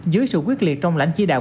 dưới sự quyết liệt trong lãnh chí đạo